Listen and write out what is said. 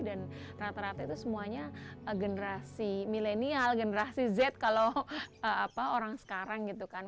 dan rata rata itu semuanya generasi milenial generasi z kalau orang sekarang gitu kan